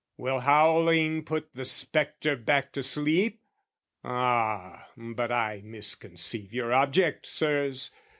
Will howling put the spectre back to sleep? Ah, but I misconceive your object, Sirs!